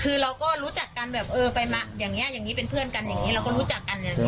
คือเราก็รู้จักกันแบบเออไปมาอย่างนี้อย่างนี้เป็นเพื่อนกันอย่างนี้เราก็รู้จักกันอย่างนี้